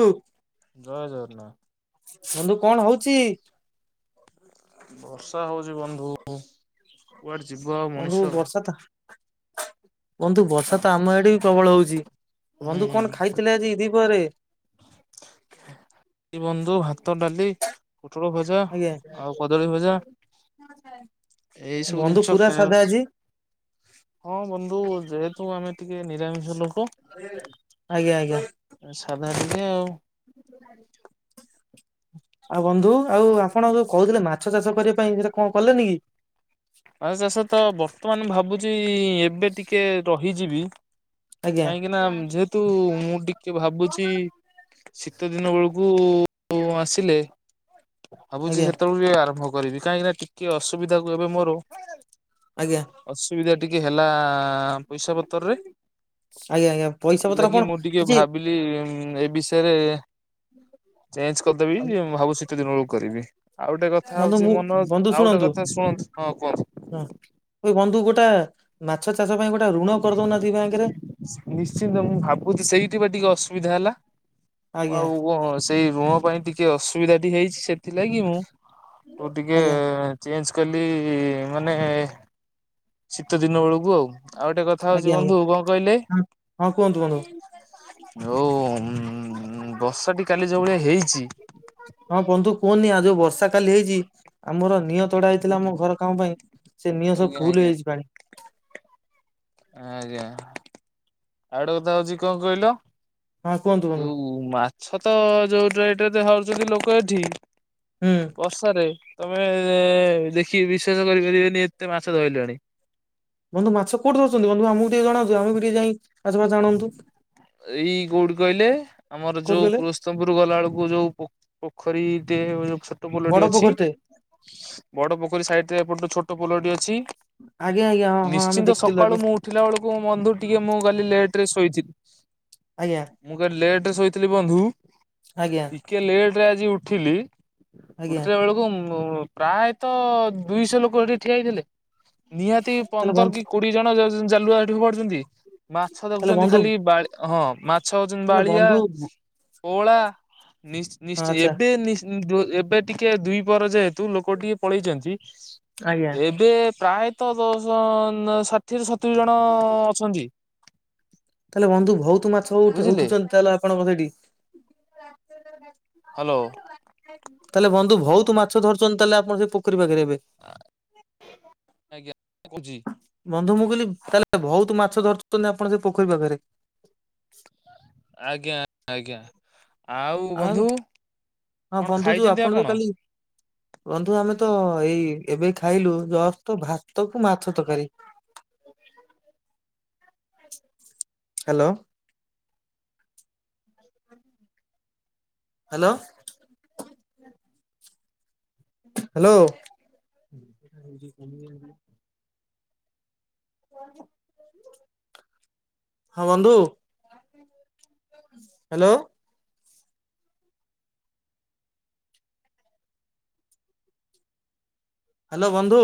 ଉ ଜୟ ଜଗନ୍ନାଥ। ବନ୍ଧୁ କଣ ହୋଉଛି? ବର୍ଷା ହୋଉଛି ବନ୍ଧୁ। କୁଆଡ଼େ ଯିବ ଆଉ? ମଣିଷ ବନ୍ଧୁ ହୁଁ ବର୍ଷା ତ ବନ୍ଧୁ ବର୍ଷା ତ ଆମ ଆଡ଼େ ବି ପ୍ରବଳ ହଉଛି। ବନ୍ଧୁ କଣ ଖାଇ ଥିଲେ ଆଜି ଦି ପହରେ? ଏଇ ବନ୍ଧୁ ଭାତ, ଡାଲି, ପୋଟଳ ଭ ଜା, ଆଜ୍ଞା ଆଉ କଦଳୀ ଭଜା, ଏଇ ସବୁ ବନ୍ଧୁ ଜିନିଷ ପୁରା ସାଧା ଖାଇବା ଆଜି ହଁ ବନ୍ଧୁ ଯେହେତୁ ଆମେ ଟିକେ ନିରାମିଷ ଲୋକ ହ ଆଜ୍ଞା ଆଜ୍ଞା। ସାଧା ଟିକେ ଆଉ। ଆଉ ବନ୍ଧୁ ଆଉ ଆପଣ ଯୋଉ କହୁଥିଲେ ମାଛ ଚାଷ କରିବା ପାଇଁ ସେଟା କଣ କଲେନି କି? ମା ଚାଷ ତ ବର୍ତ୍ତମାନ ଭାବୁଛି ଏବେ ଟିକେ ରହିଯିବି ଆଜ୍ଞା କାହିଁକି ନା ମ୍ ଯେହେତୁ ମୁଁ ଟି କେ ଭାବୁଛି ଶୀତ ଦିନ ବେଳକୁ ଆସିଲେ। ଭାବୁଛି ଆଜ୍ଞା ସେତେବେଳ କୁ ଯାଇ ଆରମ୍ଭ କରିବି କାହିଁକିନା ଟିକେ ଅସୁବିଧାକୁ ଏବେ ମୋର। ଆଜ୍ଞା। ଅସୁବିଧା ଟିକେ ହେଲା ପଇସା ପତର ରେ। ଆଜ୍ଞା ଆଜ୍ଞା ପଇସା ପତ୍ର ଆପଣ କିଛି। ବି ଏ ବିଷୟରେ ଚେଞ୍ଜ କରିଦେବି ଭାବୁଛି ଶୀତ ଦିନ ବେଳକୁ କରିବି। ଆଉ ଟେ କଥା ବନ୍ଧୁ ହଉଛି ମୁଁ ମନୋଜ ଆଉ ଟେ କଥା ଶୁଣନ୍ତୁ ହଁ କୁହନ୍ତୁ। ହୁଁ ଏଇ ବନ୍ଧୁ ଗୋଟା ମାଛ ଚାଷ ପାଇଁ ଗୋଟା ଋଣ କରି ଦଉ ନାହାନ୍ତି ବ୍ୟାଙ୍କ ରେ। ନିଶ୍ଚିନ୍ତ ମୁଁ ଭାବୁଛି ସେଇଠି ବା ଟିକେ ଅସୁବିଧା ହେଲା ମୁଁ ଆଜ୍ଞା ଆଉ କଁ। ସେଇ ଋଣ ପାଇଁ ଟିକେ ଅସୁବିଧା ଟି ହେଇଛି। ସେଥିଲାଗି ମୁଁ ଟିକେ। ଆଜ୍ଞା ଚେଞ୍ଜ କଲି ମାନେ। ଶୀତ ଦିନ ବେଳକୁ ଆଉ ଆଉ ଗୋଟେ କଥା ଆଜ୍ଞା ହଉଛି ଆଜ୍ଞା ବନ୍ଧୁ କଣ କହିଲେ। ହଁ ହଁ କୁହନ୍ତୁ ବନ୍ଧୁ। ଯୋଉ ଉଁ ବର୍ଷାଟି କାଲି ଯୋଉ ଭଳିଆ ହେଇଛି। ହଁ ବନ୍ଧୁ କୁହନି ଆ ଯୋଉ ବର୍ଷା କାଲି ହେଇଛି ଆମର। ନିଅଁ ତଡା ହେଇଥିଲା ଆମ ଘର କାମ ପାଇଁ ସେ ନିଅଁ ସବୁ ଆଜ୍ଞା ଫୁଲ ଆଜ୍ଞା ହେଇ ଯାଇଛି ପାଣି। ଆଜ୍ଞା ଆଉ ଗୋଟେ କଥା ହଉଛି କଁ କହିଲ? ହଁ କୁହନ୍ତୁ ବନ୍ଧୁ ଯୋଉ ମାଛ ତ ଯୋଉ ରେଟରେ ଧରୁଛନ୍ତି ଲୋକ ଏଠି। ହୁଁ। ବର୍ଷାରେ ତମେ ଦେଖି ବିଶ୍ଵାସ କରି ପାରିବେନି ଏତେ ମାଛ ଧଇଲେଣି। ବନ୍ଧୁ ମାଛ କୋଉଠି ଧରୁଛନ୍ତି ବନ୍ଧୁ ଆମକୁ ଟିକେ ଜଣାନ୍ତୁ ଆମ ବି ଟିକେ ଯାଇଁ। ଏଇ କୋଉଠୀ କହିଲେ ଆମର କୋଉଠି ଯୋଉ କହିଲେ ପୁରସ୍ ସ୍ତମ ପୁର ଗଲା ବେଳକୁ ଯୋଉ ପୋ ପୋଖରୀ ଟେ ଯୋଉ ଛୋଟ ବଡ ପୋଲଟିଏ ଅଛି। ପୋଖରୀଟେ ବଡ ପୋଖରୀ ସାଇଟ୍ ରେ ଏପଟେ ଛୋଟ ପୋଲଟି ଅଛି‌ ଆଜ୍ଞା ଆଜ୍ଞା ହଁ ହଁ ଆମେ ନିଶ୍ଚିନ୍ତ ଦେଖିଥିଲୁ ଆଜ୍ଞା ସକାଳୁ ମୁଁ ଉ ଉଠିଲା ବେଳକୁ ମୁଁ ବନ୍ଧୁ ଟିକେ ମୁଁ କାଲି ଲେଟ ରେ ଶୋଇଛି। ଆଜ୍ଞା। ମୁଁ କାଲି ଲେଟ୍ ରେ ଶୋଇଥିଲି ବନ୍ଧୁ। ଆଜ୍ଞା। ଟିକେ ଲେଟ୍ ରେ ଆଜି ଉଠିଲି ଆଜ୍ଞା ଉଠିଲା ବେଳକୁ ମୁଁ ମୁଁ। ପ୍ରାୟତ ଦୁଇଶହ ଲୋକ ସେଠି ଠିଆ ହେଇଥିଲେ ନିହାତି ତାହେଲେ ପନ୍ଦର ବନ୍ଧୁ କି କୋ ଡିଏ ଜଣ ଜ ଜାଲୁଆ ହେଠି ଫୋପାଡୁ ଛନ୍ତି। ମାଛ ତାହେଲେ ଦେଖୁଛନ୍ତି ବନ୍ଧୁ ଖାଲି ବାଳି ହଁ ମାଛ ହଉଛନ୍ତି ତାହେଲେ ବାଳିଆ। ବନ୍ଧୁ ହଁ ପୋଓଳା ନିଶ୍ଚି ନିଶ୍ଚି ଆଚ୍ଛା ଏବେ ନିଶ୍ଚ ଉଁ ଯୋ ଏବେ ଟିକେ ଦୁଇ ପହର ଯେହେତୁ ଲୋକ ଟିକେ ପଳେଇଛନ୍ତି। ଆଜ୍ଞା ଏବେ ପ୍ରାୟତ ଦଶ ଷାଠିଏରୁ ସତୁରି ଜଣ ଅଛନ୍ତି। ତା ହେଲେ ବନ୍ଧୁ ଭଉତ ମାଛ ଉଠୁ ବୁଝିଲେ ଉଠୁଛନ୍ତି ତାହେଲେ ଆପଣଙ୍କ ସେଇଠି। ହ୍ୟାଲୋ ତାହେଲେ ବନ୍ଧୁ ଭଉତୁ ମାଛ ଧରୁଛନ୍ତି ତାହେଲେ ଆପଣ ସେ ପୋଖରୀ ପାଖରେ ଏବେ। ସେ କଉଚି। ବନ୍ଧୁ ମୁଁ କହିଲି ତାହେଲେ ଭଉତୁ ମାଛ ଧରୁଛନ୍ତି ଆପଣ ସେ ପୋଖରୀ ପାଖରେ। ଆଜ୍ଞା ଆଜ୍ଞା ଆଉ ବନ୍ଧୁ ହଁ କଣ ବନ୍ଧୁ ଯୋଉ ଖାଇଛନ୍ତି ଯୋଉ ଆପଣ। କାଲି ବନ୍ଧୁ ଆମେ ତ ଏଇ ଏବେ ଖାଇଲୁ ଜଷ୍ଟ ତ ଭାତ କୁ ମାଛ ତକାରୀ। ହାଲୋ। ହାଲୋ। ହାଲୋ। ହଁ ବନ୍ଧୁ ହାଲୋ। ହାଲୋ ବନ୍ଧୁ।